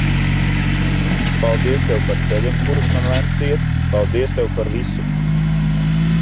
Paldies Tev par ceļiem, kurus man lemts iet. Paldies Tev par visu.